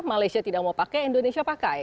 malaysia tidak mau pakai indonesia pakai